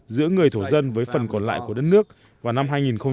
giữa người thổ dân với phần còn lại của đất nước vào năm hai nghìn ba mươi một